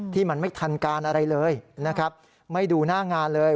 ที่มันไม่ทันการอะไรเลยนะครับไม่ดูหน้างานเลย